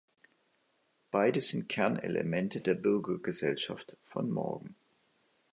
Beide sind Kernelemente der Bürgergesellschaft von morgen.